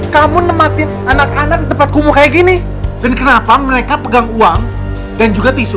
kamu nematin anak anak di tempat kumuh kayak gini dan kenapa mereka pegang uang dan juga tisu